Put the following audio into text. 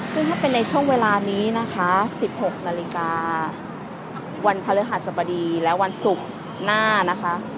ซึ่งถ้าเป็นในช่วงเวลานี้นะคะ๑๖นาฬิกาวันพฤหัสบดีและวันศุกร์หน้านะคะ